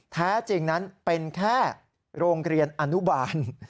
แท้จริงนั้นเป็นแค่โรงเรียนอนุบาล